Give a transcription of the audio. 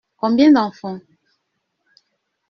Combien d’enfants ?